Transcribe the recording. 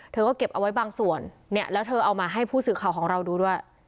เธอก็เก็บเอาไว้บางส่วนเนี่ยแล้วเธอเอามาให้ผู้สื่อข่าวของเราดูด้วย